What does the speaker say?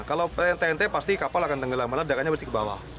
kalau tnt pasti kapal akan tenggelam malah ledakannya berarti ke bawah